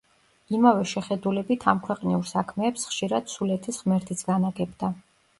იმავე შეხედულებით ამქვეყნიურ საქმეებს ხშირად „სულეთის“ ღმერთიც განაგებდა.